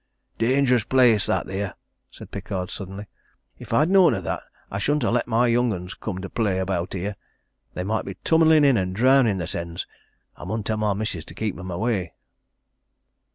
"Dangerous place that there!" said Pickard suddenly. "If I'd known o' that, I shouldn't ha' let my young 'uns come to play about here. They might be tummlin' in and drownin' theirsens! I mun tell my missis to keep 'em away!"